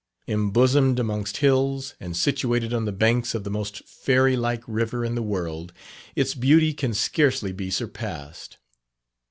Embosomed amongst hills, and situated on the banks of the most fairy like river in the world, its beauty can scarcely be surpassed.